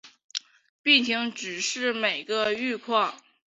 病情只是每下愈况